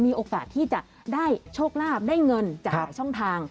มีโอกาสที่จะได้โชคลาภได้เงินจากหลายช่องทาง